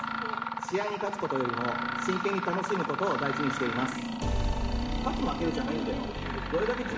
試合に勝つことよりも真剣に楽しむことを大事にしています。